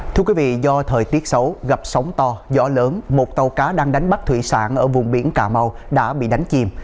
thưa quý vị do thời tiết xấu gặp sóng to gió lớn một tàu cá đang đánh bắt thủy sản ở vùng biển cà mau đã bị đánh chìm